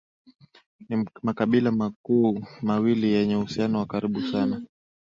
ni makabila makuu mawili yenye uhusiano wa karibu sana